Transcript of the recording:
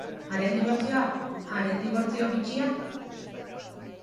Haren dibortzioa, haren dibortzio bitxia?